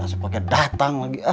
si asap pake datang lagi ah